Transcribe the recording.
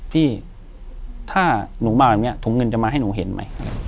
พี่ถ้าหนูมาแบบนี้ถุงเงินจะมาให้หนูเห็นไหม